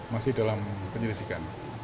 masih dalam penyelidikan